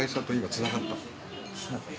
つながった。